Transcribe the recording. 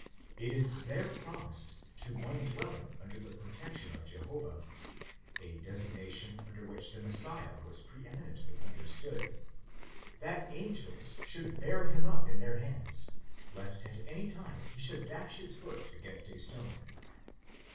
It is there promised to one dwelling under the protection of Jehovah (a designa tion under which the Messiah was pre eminently understood), that angels should bear him up in their hands, lest at any time he should dash his foot against a stone.